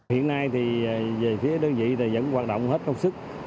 hiện nay thì về phía đơn vị thì vẫn hoạt động hết công sức